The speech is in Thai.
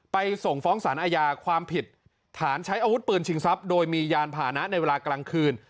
ส่งฟ้องสารอาญาความผิดฐานใช้อาวุธปืนชิงทรัพย์โดยมียานผ่านะในเวลากลางคืน